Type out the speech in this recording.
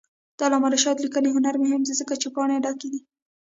د علامه رشاد لیکنی هنر مهم دی ځکه چې پاڼې ډکې دي.